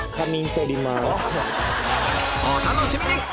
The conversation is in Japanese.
お楽しみに！